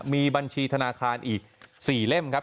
มีบัญชีธนาคารอีก๔เล่มครับ